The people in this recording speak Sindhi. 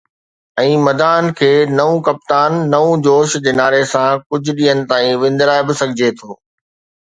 ۽ مداحن کي ”نئون ڪپتان، نئون جوش“ جي نعري سان ڪجهه ڏينهن تائين وندرائي به سگهجي ٿو.